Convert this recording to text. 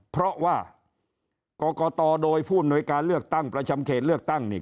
เพราะว่ากรกตโดยผู้อำนวยการเลือกตั้งประจำเขตเลือกตั้งนี่